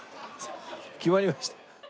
決まりました？